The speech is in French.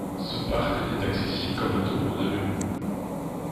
Ce parc n'est accessible qu'en bateau ou en avion.